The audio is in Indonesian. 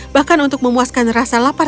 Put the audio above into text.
bahkan untuk memuaskan rasa lapar